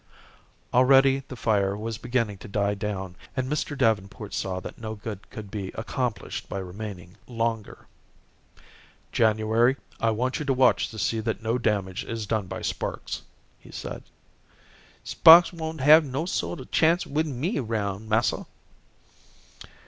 Already the fire was beginning to die down, and Mr. Davenport saw that no good could be accomplished by remaining longer. "January, I want you to watch to see that no damage is done by sparks," he said. "Sparks won't have no sort of chance wid me aroun', massa."